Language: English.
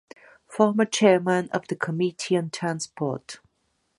Former Chairman of the Committee on Transport.